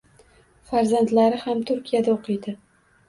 Farzandlari ham Turkiyada o'qiydi